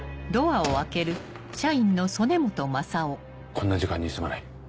こんな時間にすまない。